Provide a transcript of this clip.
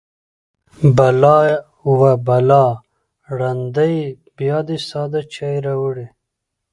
_بلا! وه بلا! ړنده يې! بيا دې ساده چای راوړی.